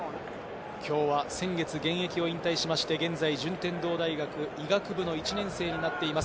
今日は先月、現役を引退しまして現在、順天堂大学医学部の１年生になっています。